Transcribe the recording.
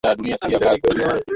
Waliwatolea pesa.